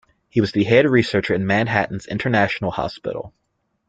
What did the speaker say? He was a head researcher in Manhattan's International Hospital.